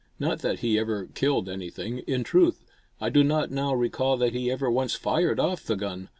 Not that he ever killed anything. In truth, I do not now recall that he ever once fired off the gun.